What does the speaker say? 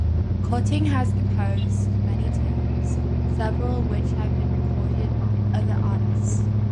Cutting has composed many tunes, several of which have been recorded by other artists.